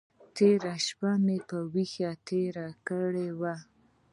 تېره شپه مو په ویښه تېره کړې وه.